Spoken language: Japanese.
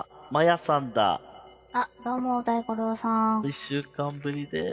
１週間ぶりです。